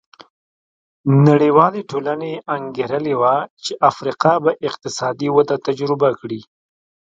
نړیوالې ټولنې انګېرلې وه چې افریقا به اقتصادي وده تجربه کړي.